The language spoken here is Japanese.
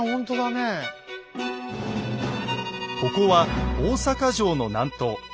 ここは大坂城の南東。